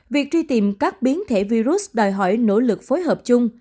việc truy tìm các biến thể virus đòi hỏi nỗ lực phối hợp chung